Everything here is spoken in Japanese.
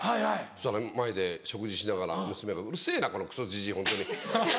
そしたら前で食事しながら娘が「うるせぇなこのクソじじいホントに。